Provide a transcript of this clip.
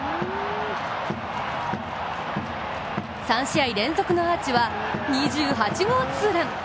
３試合連続のアーチは２８号ツーラン。